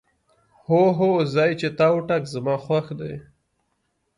هو، هر ځای چې تا وټاکه زما خوښ دی.